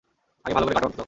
আগে ভালো করে কাটো অন্তত।